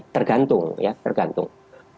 tergantung ya tergantung